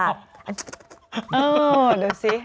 เออเดี๋ยวสิ